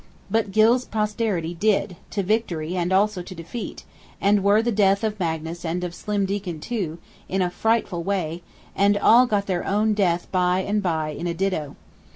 But Gylle's posterity did, to victory and also to defeat, and were the death of Magnus and of Slim Deacon too, in a frightful way; and all got their own death by and by in a ditto.